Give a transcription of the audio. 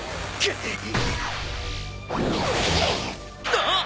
あっ！